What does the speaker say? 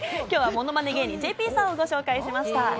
今日はものまね芸人、ＪＰさんをご紹介しました。